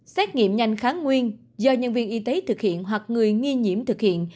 xét nghiệm nhanh kháng nguyên do nhân viên y tế thực hiện hoặc người nghi nhiễm thực hiện